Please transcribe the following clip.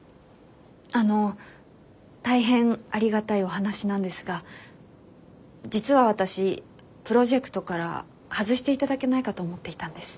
あの大変ありがたいお話なんですが実は私プロジェクトから外していただけないかと思っていたんです。